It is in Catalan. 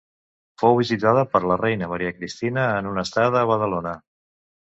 Fou visitada per la reina Maria Cristina en una estada a Badalona.